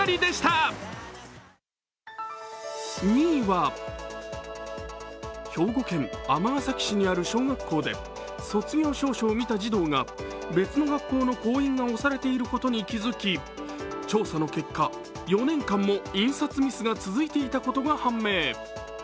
２位は、兵庫県尼崎市にある小学校で卒業証書を見た児童が別の学校の公印が押されていることに気付き調査の結果、４年間も印刷ミスが続いていたことが判明。